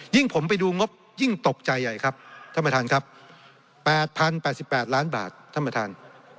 ยิ่งผมไปดูงบยิ่งตกใจใหญ่ครับท่านประธานครับแปดพันแปดสิบแปดล้านบาทท่านประธาน